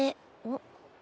おっ。